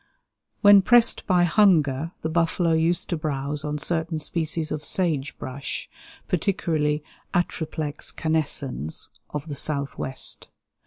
When pressed by hunger, the buffalo used to browse on certain species of sage brush, particularly Atriplex canescens of the Southwest.